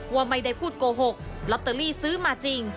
ว่าไม่ได้พูดโกหกลอตเตอรี่ซื้อมาจริง